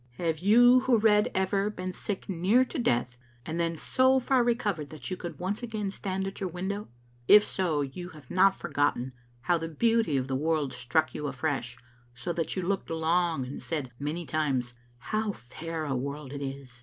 Have you who read ever Digitized by VjOOQ IC 188 TTbe Xfttlc Alnfatet. been sick near to death, and then so far recovered that you could once again stand at your window? If so, you have not forgotten how the beauty of the world struck you afresh, so that you looked long and said many times, "How fair a world it is!"